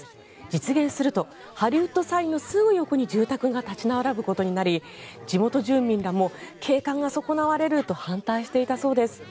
実現するとハリウッド・サインのすぐ横に住宅が立ち並ぶことになり地元住民らも景観が損なわれると反対していたそうです。